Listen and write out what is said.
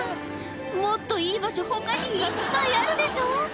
もっといい場所他にいっぱいあるでしょ？